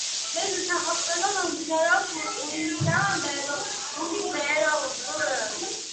მისი სახელწოდება მომდინარეობს უილიამ ბეროუზის ამავე სახელწოდების წიგნისგან.